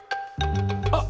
あっ！